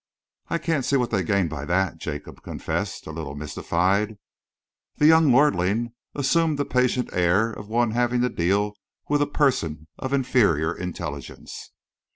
"I can't see what they gain by that," Jacob confessed, a little mystified. The young lordling assumed the patient air of one having to deal with a person of inferior intelligence.